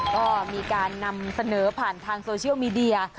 ก็มีการนำเสนอผ่านทางโซเชียลมีเดีย